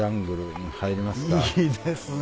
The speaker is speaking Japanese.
いいですね。